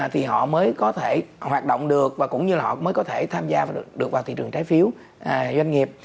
thì họ mới có thể hoạt động được và cũng như họ mới có thể tham gia được vào thị trường trái phiếu doanh nghiệp